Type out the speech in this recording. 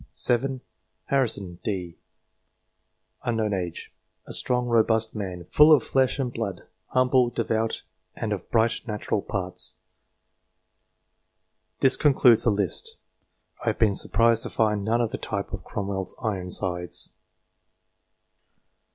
7. Harrison, d. set. ?; a strong, robust man, full of flesh and blood ; humble, devout, and of bright natural parts. This concludes the list. I have been surprised to find none of the type of Cromwell's " Ironsides."